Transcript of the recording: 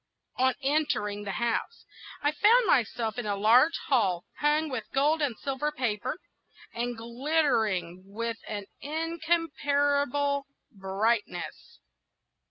On entering the house, I found myself in a large hall hung with gold and silver paper, and glittering with an incomparable brightness.